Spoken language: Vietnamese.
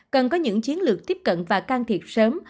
cần có những chiến lược tiếp cận và can thiệp sớm